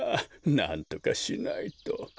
なんとかしないと。